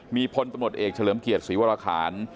มีพลตำรวจเอกเฉลิมเกียรติศรีวรคาร